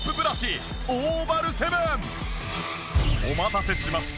お待たせしました。